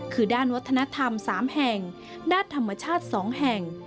คือด้านวัฒนธรรม๓แห่งด้านธรรมชาติ๒แห่ง